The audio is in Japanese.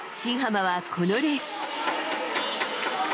新濱は、このレース。